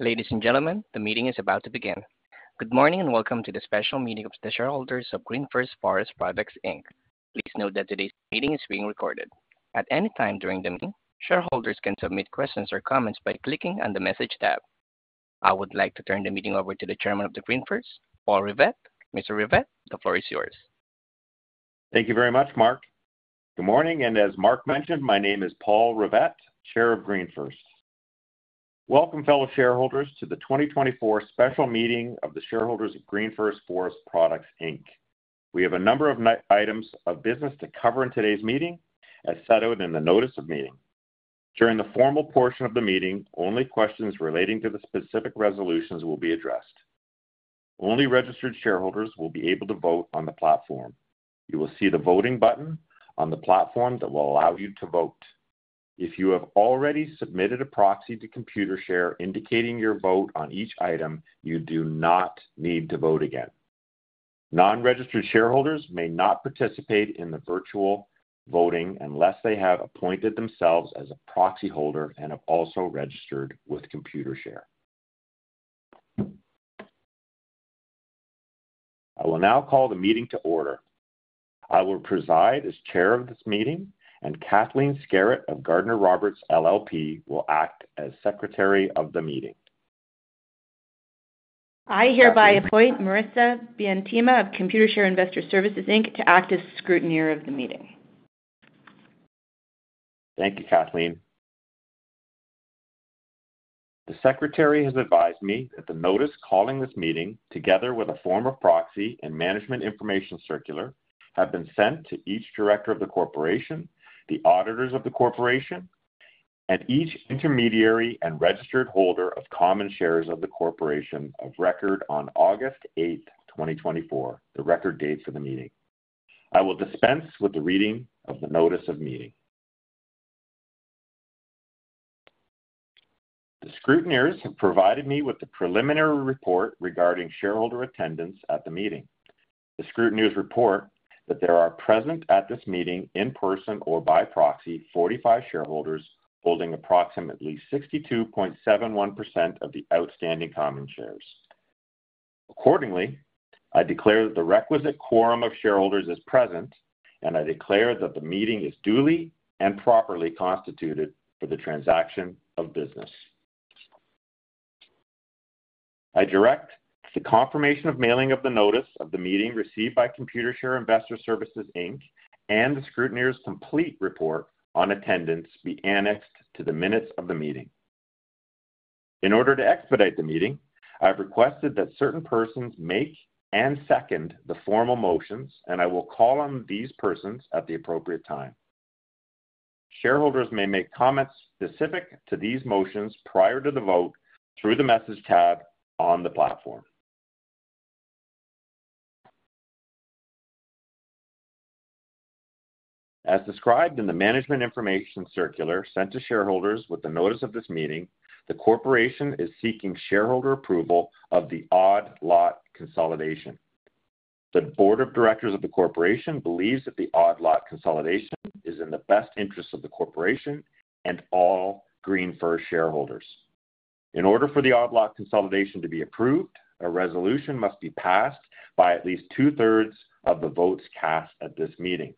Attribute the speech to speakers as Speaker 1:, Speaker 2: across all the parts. Speaker 1: Ladies and gentlemen, the meeting is about to begin. Good morning, and welcome to the special meeting of the shareholders of GreenFirst Forest Products Inc. Please note that today's meeting is being recorded. At any time during the meeting, shareholders can submit questions or comments by clicking on the Message tab. I would like to turn the meeting over to the chairman of GreenFirst, Paul Rivett. Mr. Rivett, the floor is yours.
Speaker 2: Thank you very much, Mark. Good morning, and as Mark mentioned, my name is Paul Rivett, Chair of GreenFirst. Welcome, fellow shareholders, to the twenty twenty-four special meeting of the shareholders of GreenFirst Forest Products Inc. We have a number of items of business to cover in today's meeting, as set out in the notice of meeting. During the formal portion of the meeting, only questions relating to the specific resolutions will be addressed. Only registered shareholders will be able to vote on the platform. You will see the voting button on the platform that will allow you to vote. If you have already submitted a proxy to Computershare, indicating your vote on each item, you do not need to vote again. Non-registered shareholders may not participate in the virtual voting unless they have appointed themselves as a proxy holder and have also registered with Computershare. I will now call the meeting to order. I will preside as chair of this meeting, and Kathleen Skerritt of Gardiner Roberts LLP will act as secretary of the meeting.
Speaker 3: I hereby appoint Marisa Bint of Computershare Investor Services Inc. to act as scrutineer of the meeting.
Speaker 2: Thank you, Kathleen. The secretary has advised me that the notice calling this meeting, together with a form of proxy and management information circular, have been sent to each director of the corporation, the auditors of the corporation, and each intermediary and registered holder of common shares of the corporation of record on August eighth, twenty twenty-four, the record date for the meeting. I will dispense with the reading of the notice of meeting. The scrutineers have provided me with the preliminary report regarding shareholder attendance at the meeting. The scrutineers report that there are present at this meeting, in person or by proxy, forty-five shareholders holding approximately 62.71% of the outstanding common shares. Accordingly, I declare that the requisite quorum of shareholders is present, and I declare that the meeting is duly and properly constituted for the transaction of business. I direct the confirmation of mailing of the notice of the meeting received by Computershare Investor Services Inc. and the scrutineer's complete report on attendance be annexed to the minutes of the meeting. In order to expedite the meeting, I've requested that certain persons make and second the formal motions, and I will call on these persons at the appropriate time. Shareholders may make comments specific to these motions prior to the vote through the Message tab on the platform. As described in the Management Information Circular sent to shareholders with the notice of this meeting, the corporation is seeking shareholder approval of the odd lot consolidation. The board of directors of the corporation believes that the odd lot consolidation is in the best interest of the corporation and all GreenFirst shareholders. In order for the odd lot consolidation to be approved, a resolution must be passed by at least two-thirds of the votes cast at this meeting.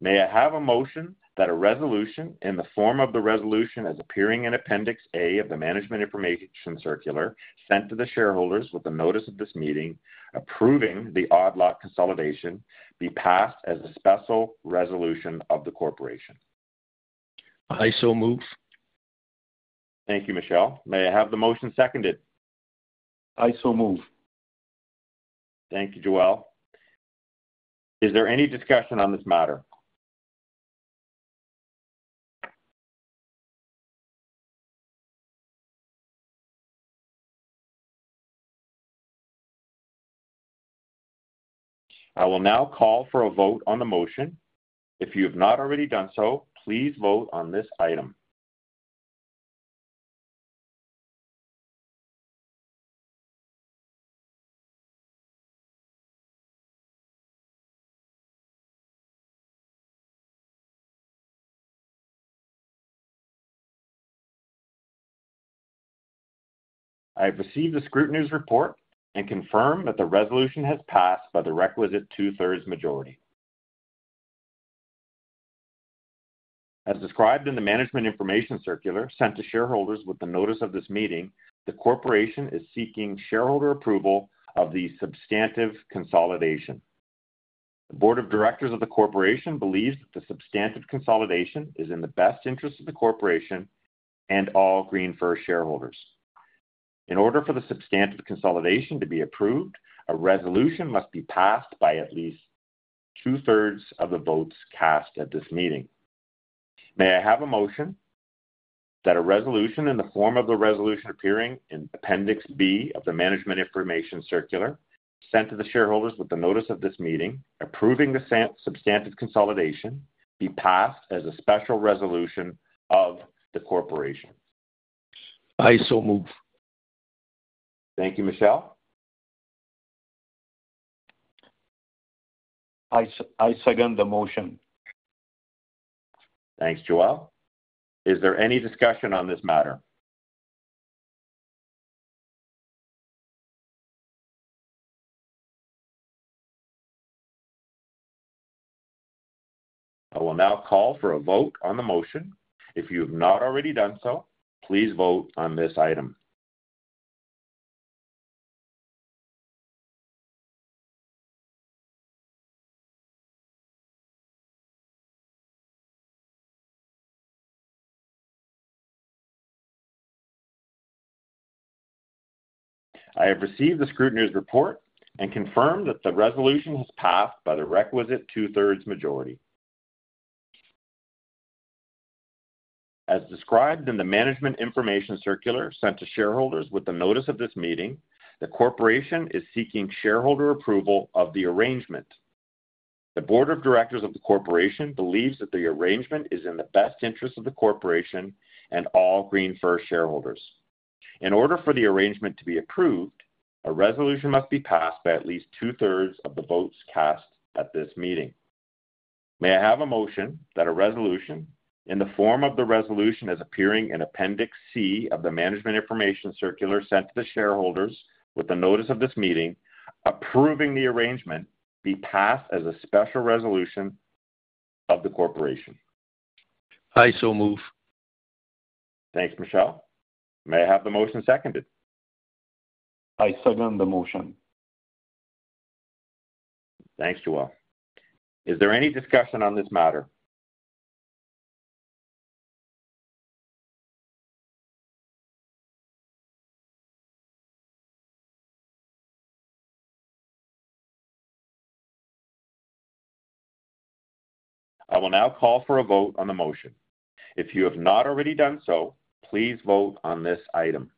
Speaker 2: May I have a motion that a resolution in the form of the resolution as appearing in Appendix A of the management information circular, sent to the shareholders with the notice of this meeting, approving the odd lot consolidation be passed as a special resolution of the corporation? I so move. Thank you, Michel. May I have the motion seconded? I so move. Thank you, Joel. Is there any discussion on this matter? I will now call for a vote on the motion. If you have not already done so, please vote on this item. I have received the scrutineer's report and confirm that the resolution has passed by the requisite two-thirds majority. As described in the management information circular sent to shareholders with the notice of this meeting, the corporation is seeking shareholder approval of the substantive consolidation. The board of directors of the corporation believes that the substantive consolidation is in the best interest of the corporation and all GreenFirst shareholders. In order for the substantive consolidation to be approved, a resolution must be passed by at least two-thirds of the votes cast at this meeting. May I have a motion that a resolution in the form of the resolution appearing in Appendix B of the Management Information Circular, sent to the shareholders with the notice of this meeting, approving the substantive consolidation, be passed as a special resolution of the corporation? I so move. Thank you, Michel. I second the motion. Thanks, Joël. Is there any discussion on this matter? I will now call for a vote on the motion. If you have not already done so, please vote on this item. I have received the scrutineer's report and confirm that the resolution has passed by the requisite two-thirds majority. As described in the management information circular sent to shareholders with the notice of this meeting, the corporation is seeking shareholder approval of the arrangement. The board of directors of the corporation believes that the arrangement is in the best interest of the corporation and all GreenFirst shareholders. In order for the arrangement to be approved, a resolution must be passed by at least two-thirds of the votes cast at this meeting. May I have a motion that a resolution in the form of the resolution as appearing in Appendix C of the Management Information Circular sent to the shareholders with the notice of this meeting, approving the arrangement, be passed as a special resolution of the corporation? I so move. Thanks, Michel. May I have the motion seconded? I second the motion. Thanks, Joël. Is there any discussion on this matter? I will now call for a vote on the motion. If you have not already done so, please vote on this item.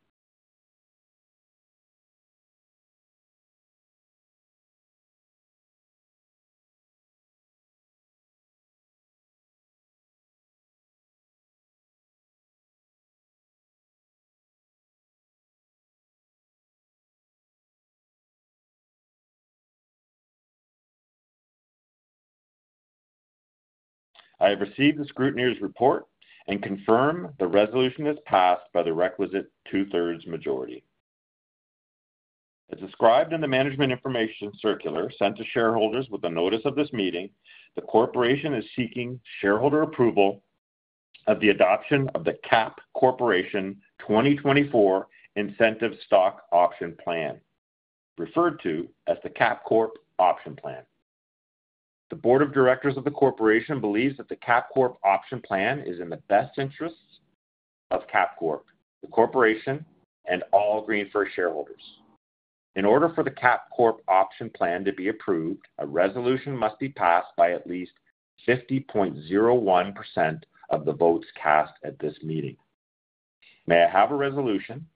Speaker 2: I have received the scrutineer's report and confirm the resolution is passed by the requisite two-thirds majority. As described in the Management Information Circular sent to shareholders with the notice of this meeting, the corporation is seeking shareholder approval of the adoption of the Kap Corporation twenty twenty-four incentive stock option plan, referred to as the Kap Corporation Option Plan. The board of directors of the corporation believes that the Kap Corporation Option Plan is in the best interests of Kap Corporation, the corporation, and all GreenFirst shareholders. In order for the Kap Corporation Option Plan to be approved, a resolution must be passed by at least 50.01% of the votes cast at this meeting. May I have a resolution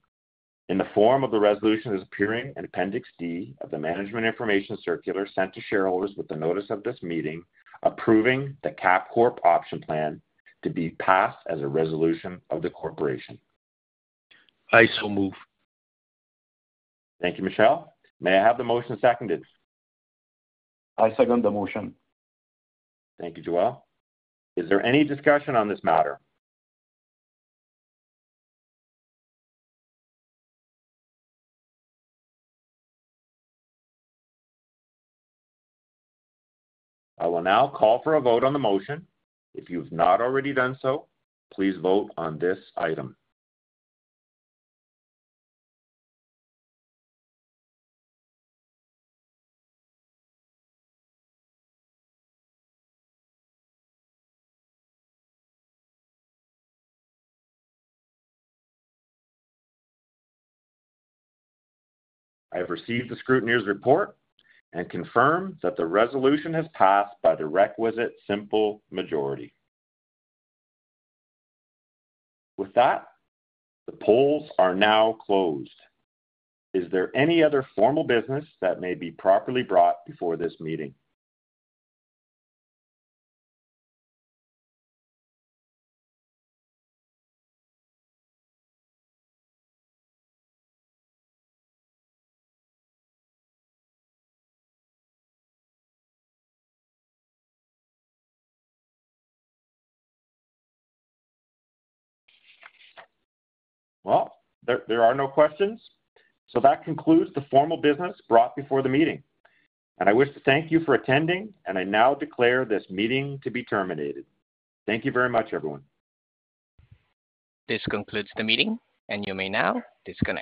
Speaker 2: in the form of the resolution as appearing in Appendix D of the Management Information Circular sent to shareholders with the notice of this meeting, approving the Kap Corporation Option Plan to be passed as a resolution of the corporation? I so move. Thank you, Michel. May I have the motion seconded? I second the motion. Thank you, Joël. Is there any discussion on this matter? I will now call for a vote on the motion. If you've not already done so, please vote on this item. I have received the scrutineer's report and confirm that the resolution has passed by the requisite simple majority. With that, the polls are now closed. Is there any other formal business that may be properly brought before this meeting? There are no questions, so that concludes the formal business brought before the meeting, and I wish to thank you for attending, and I now declare this meeting to be terminated. Thank you very much, everyone.
Speaker 1: This concludes the meeting, and you may now disconnect.